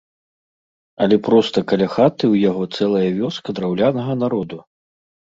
Але проста каля хаты ў яго цэлая вёска драўлянага народу.